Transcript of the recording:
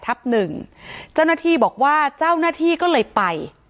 ตรงเหนือ๓๘ทับ๑เจ้าหน้าที่บอกว่าเจ้าหน้าที่ก็เลยไป